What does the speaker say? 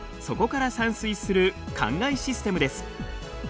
そこから散水する灌漑システムです。